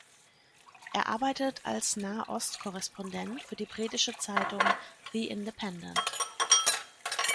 Er arbeitet als Nah-Ost-Korrespondent für die britische Zeitung The Independent.